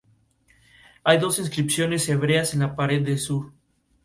Hay dos inscripciones hebreas en la pared sur.